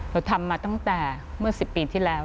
เราทำมาตั้งแต่เมื่อ๑๐ปีที่แล้ว